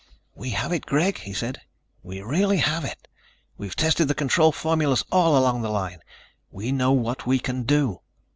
"We have it, Greg," he said. "We really have it. We've tested the control formulas all along the line. We know what we can do."